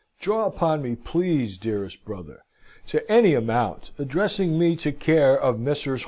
Draw upon me, please, dearest brother to any amount adressing me to care of Messrs.